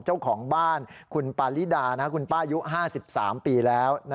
เจ้าของบ้านคุณปาริดาคุณป้ายุ๕๓ปีแล้ว